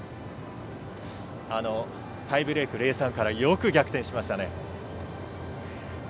タイブレーク、０−３からよく逆転しましたね。